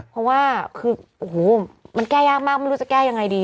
เพราะว่ามันแก้ยากมากไม่รู้จะแก้ยังไงดี